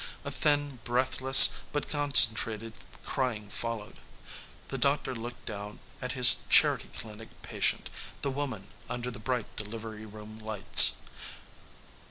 A thin, breathless but concentrated crying followed. The doctor looked down at his charity clinic patient, the woman under the bright delivery room lights.